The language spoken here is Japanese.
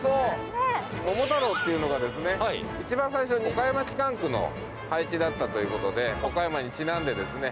「桃太郎」っていうのがですね一番最初に岡山機関区の配置だったということで岡山にちなんでですね